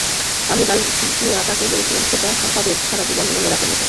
ডালমিয়া তাঁকে বলেছিলেন, এটা হবে সারা জীবন মনে রাখার মতো অভিজ্ঞতা।